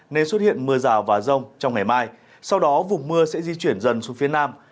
nên xuất hiện mưa rào và rông trong ngày mai sau đó vùng mưa sẽ di chuyển dần xuống phía nam